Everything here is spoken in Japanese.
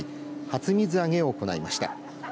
初水揚げを行いました。